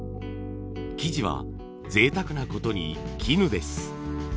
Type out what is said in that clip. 生地はぜいたくなことに絹です。